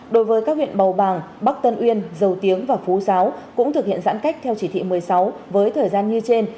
đối với các huyện bầu bàng bắc tân uyên dầu tiếng và phú giáo cũng thực hiện giãn cách theo chỉ thị một mươi sáu với thời gian như trên